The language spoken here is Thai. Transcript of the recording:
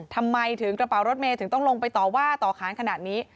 ทำไมถึงกระเป๋ารถเมย์ถึงต้องลงไปต่อว่าต่อค้านขนาดนี้